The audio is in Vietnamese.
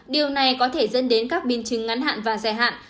điều này có thể dẫn đến các biến chứng ngắn hạn và dài hạn